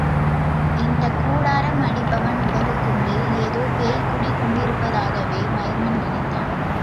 இந்தக் கூடாரம் அடிப்பவன் உடலுக்குள்ளே ஏதோ பேய் குடிகொண்டிருப்பதாகவே மைமன் நினைத்தான்.